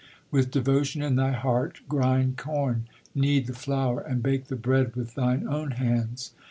With devotion in thy heart grind corn, knead the flour, and bake the bread with thine own hands.